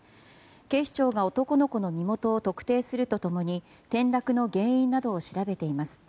警視庁が男の子の身元を特定すると共に転落の原因などを調べています。